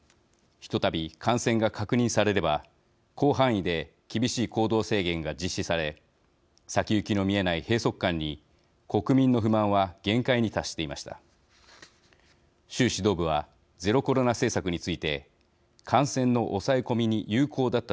ひとたび感染が確認されれば広範囲で厳しい行動制限が実施され、先行きの見えない閉そく感に国民の不満は限界に達していました。